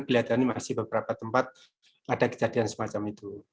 kelihatannya masih beberapa tempat ada kejadian semacam itu